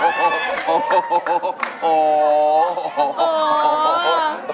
คุณตั้มร้องใจครับ